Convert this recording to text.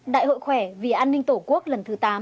đại hội khỏe vì an ninh tổ quốc lần thứ tám